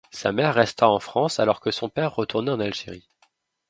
Sa mère resta en France alors que son père retourna en Algérie.